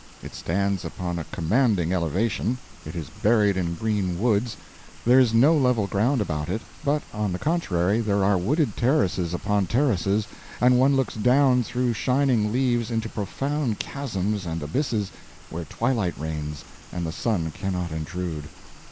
It stands upon a commanding elevation, it is buried in green woods, there is no level ground about it, but, on the contrary, there are wooded terraces upon terraces, and one looks down through shining leaves into profound chasms and abysses where twilight reigns and the sun cannot intrude.